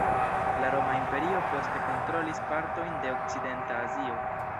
La Roma Imperio poste kontrolis partojn de Okcidenta Azio.